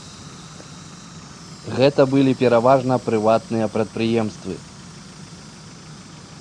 Гэта былі пераважна прыватныя прадпрыемствы.